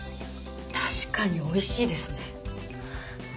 確かにおいしいですね。